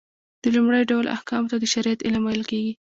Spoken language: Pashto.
د لومړي ډول احکامو ته د شريعت علم ويل کېږي .